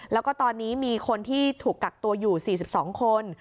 แล้วก็ตอนนี้มีคนที่ถูกกักตัวอยู่๔๒คน